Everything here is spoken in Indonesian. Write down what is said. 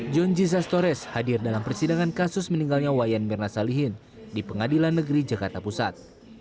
john jiza stores hadir dalam persidangan kasus meninggalnya wayan mirna salihin di pengadilan negeri jakarta pusat